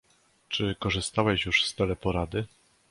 Czy korzystałeś już z teleporady?